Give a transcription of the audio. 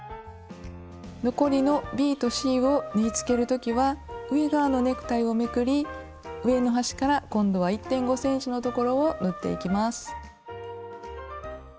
残りのｂとｃを縫いつける時は上側のネクタイをめくり上の端から今度は１．５ｃｍのところを縫っていきます。